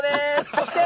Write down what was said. そして。